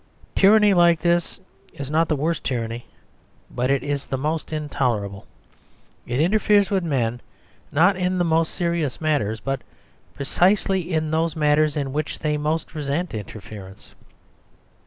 Tyranny like this is not the worst tyranny, but it is the most intolerable. It interferes with men not in the most serious matters, but precisely in those matters in which they most resent interference.